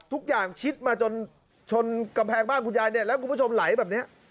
ชิดมาจนชนกำแพงบ้านคุณยายเนี่ยแล้วคุณผู้ชมไหลแบบนี้